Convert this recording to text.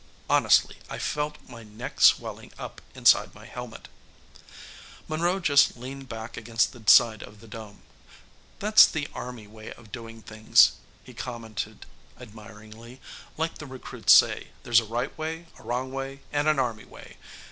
Honestly, I felt my neck swelling up inside my helmet. Monroe just leaned back against the side of the dome. "That's the Army way of doing things," he commented admiringly. "Like the recruits say, there's a right way, a wrong way and an Army way.